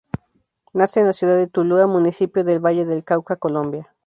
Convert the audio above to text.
Nace en la ciudad de Tuluá municipio del Valle del Cauca Colombia.